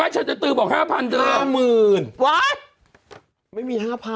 ไม่ชั้นเตะตื่นบอก๕พันเดอะม